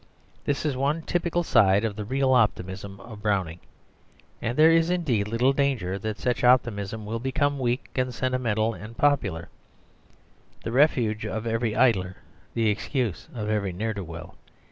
This is one typical side of the real optimism of Browning. And there is indeed little danger that such optimism will become weak and sentimental and popular, the refuge of every idler, the excuse of every ne'er do well.